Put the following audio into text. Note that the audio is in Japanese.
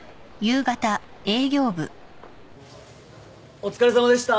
お疲れさまでした。